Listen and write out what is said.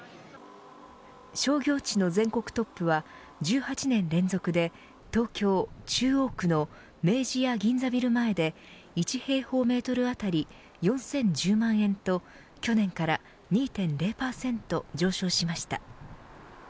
商業地の全国トップは１８年連続で、東京・中央区の明治屋銀座ビル前で１平方メートル当たり４０１０万円と去年から２．０％上昇しました。